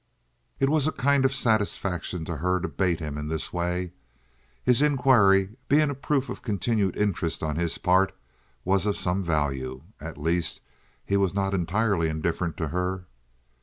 It was a kind of satisfaction to her to bait him in this way. His inquiry, being a proof of continued interest on his part, was of some value. At least he was not entirely indifferent to her.